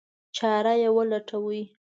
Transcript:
چاره یې ولټوي.